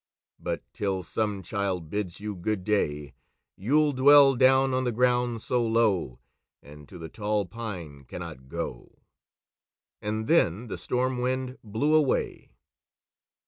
But 'til some child bids you good day, You'll dwell down on the ground so low, And to the Tall Pine cannot go!" And then the Storm Wind blew away.